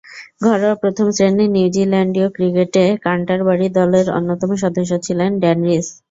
ঘরোয়া প্রথম-শ্রেণীর নিউজিল্যান্ডীয় ক্রিকেটে ক্যান্টারবারি দলের অন্যতম সদস্য ছিলেন ড্যান রিস।